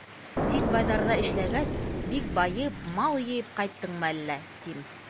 — Сит байҙарҙа эшләгәс, бик байып, мал йыйып ҡайттыңмы әллә, тим.